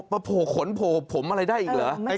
โผล่ขนโผล่ผมอะไรได้อีกเหรอ